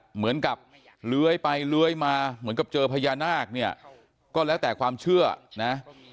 เหมือนกับเลื้อยไปเลื้อยมาเหมือนกับเจอพญานาคเนี่ยก็แล้วแต่ความเชื่อนะ